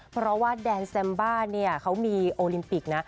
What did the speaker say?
เพราะว่าแดนแซมบ้าเนี่ยเขามีโอลิมปิกนะ